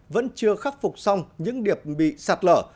vẫn chưa khắc phục xong những điểm bị sạt lở